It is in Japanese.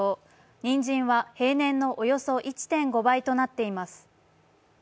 にんじんは平年のおよそ１．５倍となっています。